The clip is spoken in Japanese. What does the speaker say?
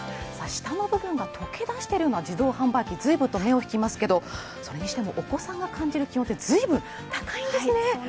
下の部分が溶け出してるような自動販売機、ずいぶんと目を引きますけれどもそれにしてもお子さんが感じる気温って随分高いんですね。